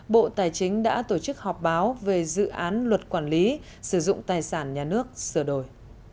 bộ tài chính đã tổ chức họp báo về dự án luật quản lý sử dụng tài sản nhà nước sửa đổi